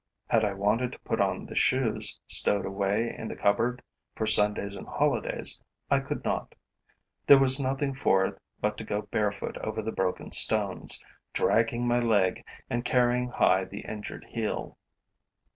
Had I wanted to put on the shoes stowed away in the cupboard for Sundays and holidays, I could not. There was nothing for it but to go barefoot over the broken stones, dragging my leg and carrying high the injured heel.